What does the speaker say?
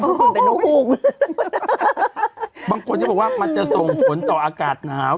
เพราะคุณเป็นน้องหุ่งบางคนก็บอกว่ามันจะส่งผลต่ออากาศน้าว